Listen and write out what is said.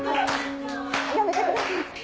やめてください。